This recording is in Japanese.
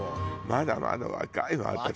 まだまだ若いわ私。